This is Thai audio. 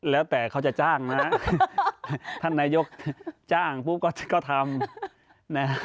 แล้วแต่เขาจะจ้างนะท่านนายกจ้างปุ๊บก็ทำนะ